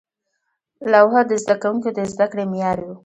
لوحه د زده کوونکو د زده کړې معیار و.